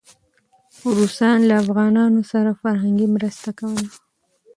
روسان له افغانانو سره فرهنګي مرسته کوله.